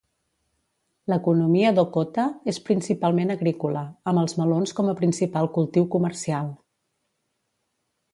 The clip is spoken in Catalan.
L'economia d'Hokota és principalment agrícola, amb els melons com a principal cultiu comercial.